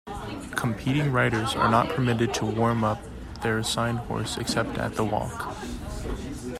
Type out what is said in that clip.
Competing riders are not permitted to warm-up their assigned horse except at the walk.